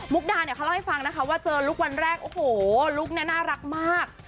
ดาเนี่ยเขาเล่าให้ฟังนะคะว่าเจอลูกวันแรกโอ้โหลุคนี้น่ารักมาก